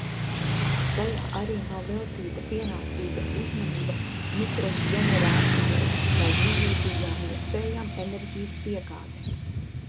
Tajā arī nav veltīta pienācīga uzmanība mikroģenerācijai vai vienlīdzīgām iespējām enerģijas piegādē.